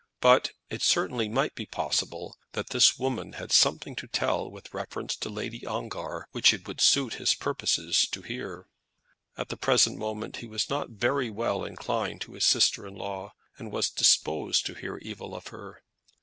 But it certainly might be possible that this woman had something to tell with reference to Lady Ongar which it would suit his purposes to hear. At the present moment he was not very well inclined to his sister in law, and was disposed to hear evil of her.